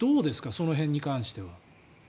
その辺に関しては。